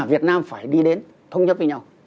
việt nam phải đi đến thống nhất với nhau